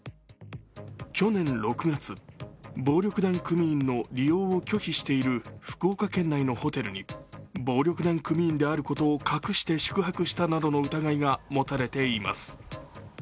去年６月、暴力団組員の利用を拒否している福岡県内のホテルに暴力団組員であることを隠して宿泊したなどの疑いが持たれています。